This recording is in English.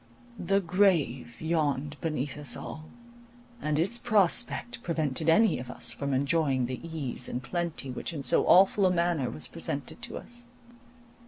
The grave yawned beneath us all, and its prospect prevented any of us from enjoying the ease and plenty which in so awful a manner was presented to us.